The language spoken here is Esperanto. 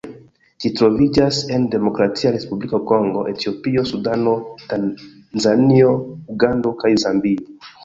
Ĝi troviĝas en Demokratia Respubliko Kongo, Etiopio, Sudano, Tanzanio, Ugando kaj Zambio.